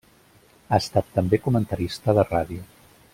Ha estat també comentarista de ràdio.